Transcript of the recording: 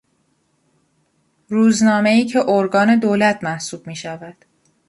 روزنامهای که ارگان دولت محسوب میشود.